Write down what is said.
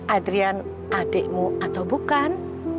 adrian adikmu atau bukan